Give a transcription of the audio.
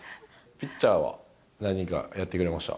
ピッチャーは何人かやってくれました。